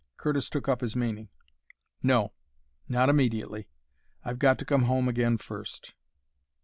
Curtis took up his meaning. "No; not immediately. I've got to come home again first."